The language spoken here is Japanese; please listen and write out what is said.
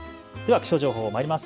気象情報まいります。